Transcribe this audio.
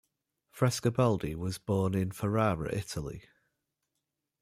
Frescobaldi was born in Ferrara, Italy.